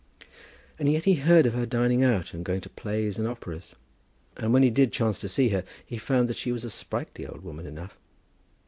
And yet he heard of her dining out, and going to plays and operas; and when he did chance to see her, he found that she was a sprightly old woman enough.